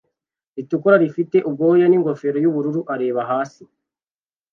ritukura rifite ubwoya ningofero yubururu areba hasi